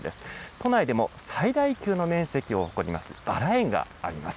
都内でも最大級の面積を誇りますバラ園があります。